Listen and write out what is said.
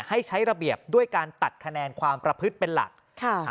ให้ใช้ระเบียบด้วยการตัดคะแนนความประพฤติเป็นหลักค่ะ